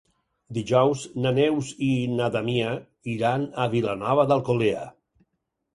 Dijous na Neus i na Damià iran a Vilanova d'Alcolea.